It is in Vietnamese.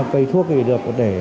cây thuốc được để